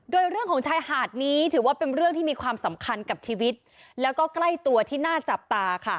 โดยเรื่องของชายหาดนี้ถือว่าเป็นเรื่องที่มีความสำคัญกับชีวิตแล้วก็ใกล้ตัวที่น่าจับตาค่ะ